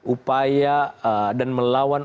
upaya dan melawan